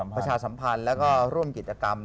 ประชาสัมพันธ์แล้วก็ร่วมกิจกรรม